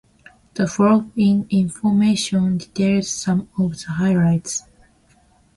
The following information details some of the highlights.